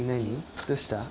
どうした？